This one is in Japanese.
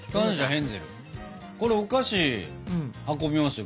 これお菓子運びますよ